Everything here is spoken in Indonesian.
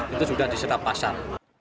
itu sudah diserap pasar